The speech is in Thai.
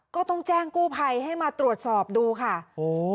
ก็ต้องแจ้งกู้ภัยให้มาตรวจสอบดูค่ะโอ้